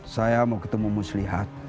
saya mau ketemu mus lihat